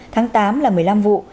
tháng tám là một mươi năm vụ